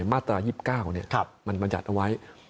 มาตรายิบเก้ามันมันยัดเอาไว้